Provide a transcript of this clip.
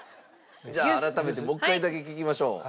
じゃあ改めてもう一回だけ聞きましょう。